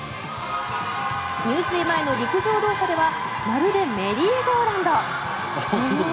入水前の陸上動作ではまるでメリーゴーラウンド。